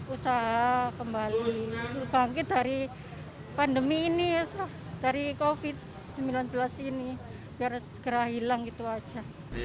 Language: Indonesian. usaha kembali bangkit dari pandemi ini dari covid sembilan belas ini biar segera hilang gitu aja